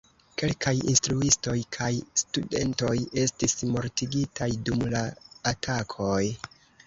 Kelkaj instruistoj kaj studentoj estis mortigitaj dum la atakoj.